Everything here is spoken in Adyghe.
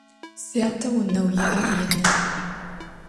Сятэ унэу иӏэр ины.